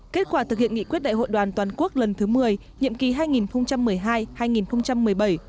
kết quả thực hiện nghị quyết đại hội đoàn toàn quốc lần thứ một mươi nhiệm kỳ hai nghìn một mươi hai hai nghìn một mươi bảy